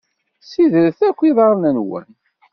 Ssidret akk iḍarren-nwen.